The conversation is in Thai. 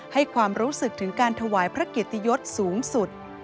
ให้ความรู้สึกถึงการถวายพระเกียรติยศสูงสุด